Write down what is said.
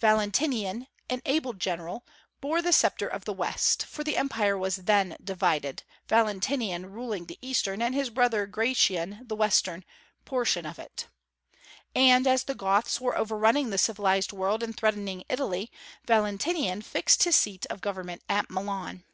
Valentinian, an able general, bore the sceptre of the West; for the Empire was then divided, Valentinian ruling the eastern, and his brother Gratian the western, portion of it, and, as the Goths were overrunning the civilized world and threatening Italy, Valentinian fixed his seat of government at Milan.